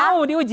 kalau mau diuji